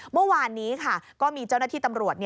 เมื่อวานนี้ค่ะก็มีเจ้าหน้าที่ตำรวจ